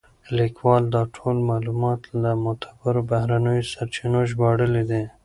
لیکوال دا ټول معلومات له معتبرو بهرنیو سرچینو ژباړلي دي.